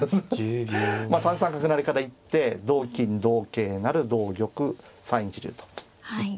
まあ３三角成から行って同金同桂成同玉３一竜と行って。